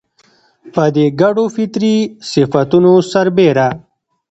پر دې ګډو فطري صفتونو سربېره